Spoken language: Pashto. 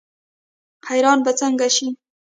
حیران به ځکه شي.